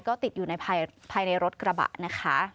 ก็ติดอยู่ภายในรถกระบะนะคะ